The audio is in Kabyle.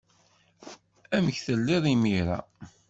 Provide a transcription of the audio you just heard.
Amek telliḍ imir-a?